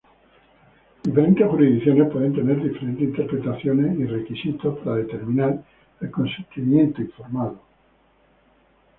Diferentes jurisdicciones pueden tener diferentes interpretaciones y requisitos para determinar el consentimiento informado.